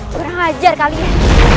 berang ajar kalian